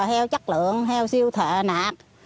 heo chất lượng heo siêu thệ nạp